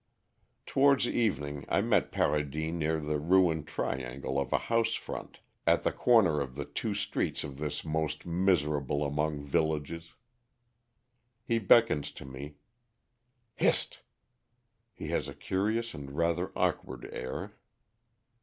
Towards evening I meet Paradis near the ruined triangle of a house front at the corner of the two streets of this most miserable among villages. He beckons to me. "Hist!" He has a curious and rather awkward air.